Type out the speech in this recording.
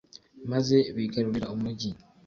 maze bigarurira umugi